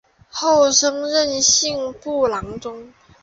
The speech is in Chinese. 后升任刑部郎中。